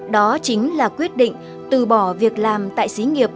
đó chính là quyết định từ bỏ việc làm tại sinh viên